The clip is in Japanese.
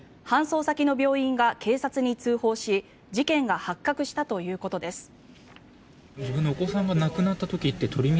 搬送先の病院が警察に通報し事件が発覚したということです。